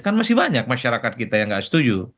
kan masih banyak masyarakat kita yang nggak setuju